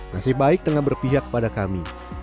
masih baik tengah berpihak kepada kami